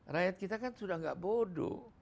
rakyat kita kan sudah tidak bodoh